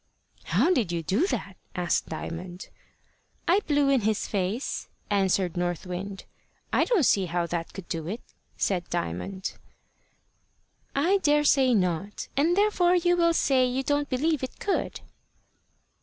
"How did you do that?" asked Diamond. "I blew in his face," answered North Wind. "I don't see how that could do it," said Diamond. "I daresay not. And therefore you will say you don't believe it could."